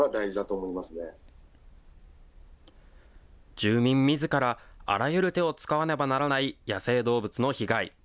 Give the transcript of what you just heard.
住民みずからあらゆる手を使わねばならない野生動物の被害。